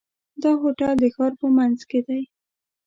دا هوټل د ښار په منځ کې دی.